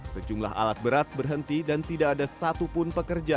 sejumlah alat berat berhenti dan tidak ada satupun pekerja